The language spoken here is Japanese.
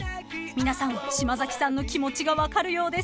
［皆さん島崎さんの気持ちが分かるようです］